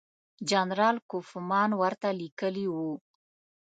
جنرال کوفمان ورته لیکلي وو.